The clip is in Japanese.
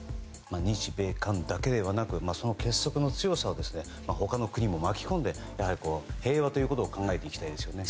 日米韓だけではなくその結束の強さを他の国も巻き込んで平和ということを考えていきたいですね。